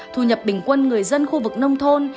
thu nhập bình quân người dân khu vực nông thôn